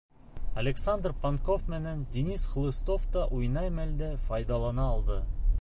Александр Панков менән Денис Хлыстов та уңай мәлде файҙалана алды.